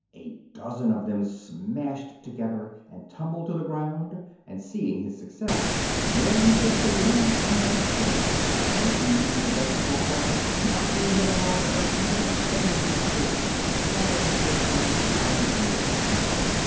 A dozen of them smashed together and tumbled to the ground, and seeing his success Jim kicked again and again, charging into the vegetable crowd, knocking them in all directions and sending the others scattering to escape his iron heels.